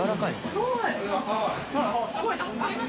すごいな。